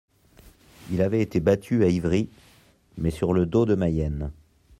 Il avait été battu à Ivry, mais sur le dos de Mayenne.